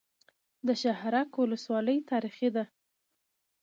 د شهرک ولسوالۍ تاریخي ده